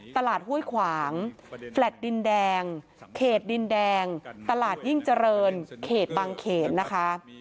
ห้วยขวางแฟลต์ดินแดงเขตดินแดงตลาดยิ่งเจริญเขตบางเขนนะคะ